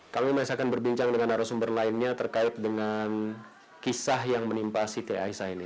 kami masih akan berbincang dengan arus sumber lainnya terkait dengan kisah yang menimpa si t a i s a ini